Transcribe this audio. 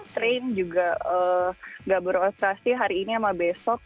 train juga nggak beroperasi hari ini sama besok